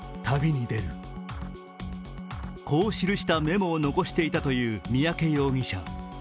こう記したメモを残していたという三宅容疑者。